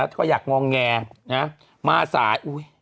เขาก็อยากมองแงฮะมาสายอุ้ย